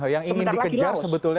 yang ingin dikejar sebetulnya